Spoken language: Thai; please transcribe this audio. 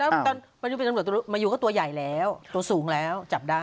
แล้วตอนมายูเป็นตำรวจมายูก็ตัวใหญ่แล้วตัวสูงแล้วจับได้